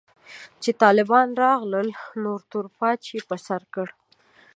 چې طالبان راغلل نو تور پاج يې پر سر کړ.